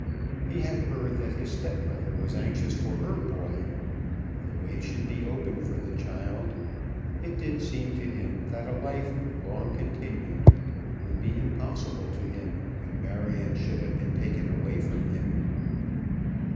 He had heard that his stepmother was anxious for her boy. The way should be open for the child. It did seem to him that a life, long continued, would be impossible to him when Marion should have been taken away from him.